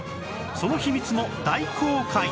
その秘密も大公開